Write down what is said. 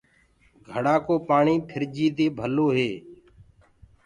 گھڙآ ڪو پآڻي ڦِرجي دي ڀلو هي۔